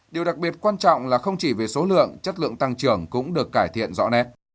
điều đặc biệt quan trọng là không chỉ về số lượng chất lượng tăng trưởng cũng được cải thiện rõ nét